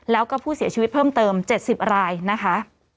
แล้วก็ผู้เสียชีวิตเพิ่มเติม๗๐รายนะคะ